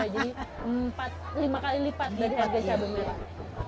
jadi lima kali lipat harganya cabai merah